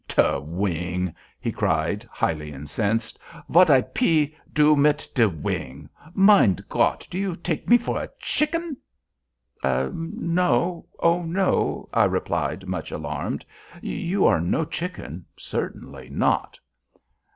"Te wing!" he cried, highly incensed, "vat I pe do mit te wing? Mein Gott! do you take me for a shicken?" "No—oh, no!" I replied, much alarmed; "you are no chicken—certainly not."